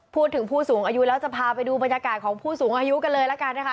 พูดถึงผู้สูงอายุแล้วจะพาไปดูบรรยากาศของผู้สูงอายุกันเลยละกันนะคะ